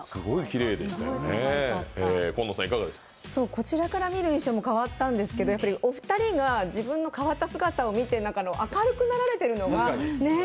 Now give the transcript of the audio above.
こちらから見る印象も変わったんですけどやっぱりお二人が自分の変わった姿を見て明るくなられているのが。